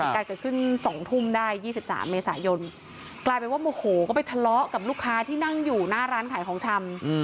การเกิดขึ้น๒ทุ่มได้๒๓เมษายนกลายเป็นว่าโมโหก็ไปทะเลาะกับลูกค้าที่นั่งอยู่หน้าร้านขายของชำ